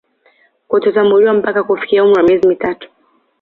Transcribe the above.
Kutotambuliwa mpaka kufikia umri wa miezi mitatu